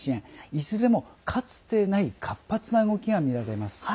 いずれも、かつてない活発な動きが見られます。